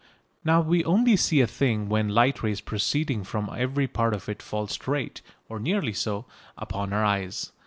Now we only see a thing when light rays proceeding from every part of it fall straight (or nearly so) upon our eyes.